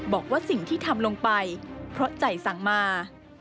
บอกว่าสิ่งที่ทำลงไปเพราะใจสั่งมา